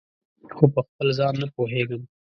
خو پخپل ځان نه پوهیږم